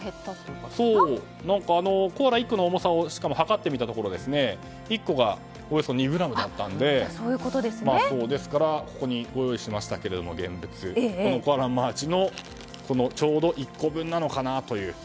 コアラ１個の重さを量ってみたところ１個がおよそ２ｇだったのでここに現物がありますがコアラのマーチのちょうど１個分なのかなという。